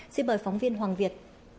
xin mời phóng viên hoàng việt